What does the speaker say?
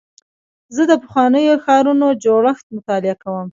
زه د پخوانیو ښارونو جوړښت مطالعه کوم.